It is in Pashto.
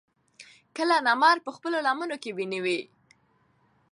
کله نمر پۀ خپلو لمنو کښې ونيوي